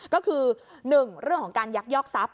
ก็คือ๑เรื่องของการยักยอกทรัพย